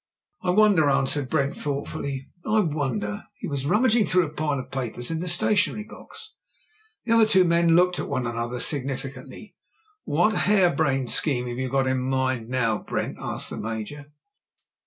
"I wonder," answered Brent, thoughtfully — ''I wonder." He was rummaging through a pile of papers in the stationery box. The other two men looked at one another signifi cantly. "What hare brained scheme have you got in your mind now, Brent?" asked the Major.